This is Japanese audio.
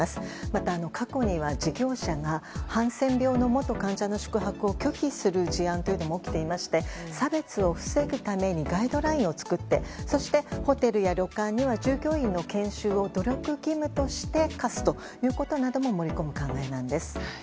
また、過去には事業者がハンセン病の元患者の宿泊を拒否する事案も起きていまして差別を防ぐためにガイドラインを作ってそしてホテルや旅館には従業員の研修を努力義務として課すということなども盛り込む考えなんです。